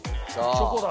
チョコだ。